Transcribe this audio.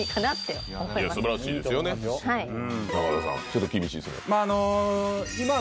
ちょっと厳しいですね。